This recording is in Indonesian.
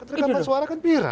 rekaman suara kan viral